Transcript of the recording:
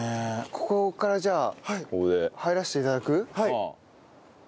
ここからじゃあ入らせて頂く？